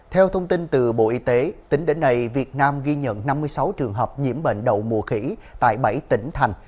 theo thông tin từ bộ y tế tính đến nay việt nam ghi nhận năm mươi sáu trường hợp nhiễm bệnh đầu mùa khỉ tại bảy tỉnh thành